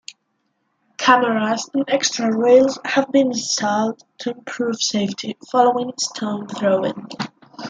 Cameras and extra rails have been installed to improve safety, following stone throwing.